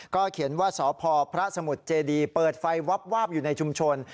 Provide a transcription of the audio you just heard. เขียนว่าสพพระสมุทรเจดีเปิดไฟวับวาบอยู่ในชุมชน